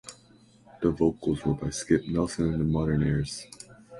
The vocals were by Skip Nelson and the Modernaires.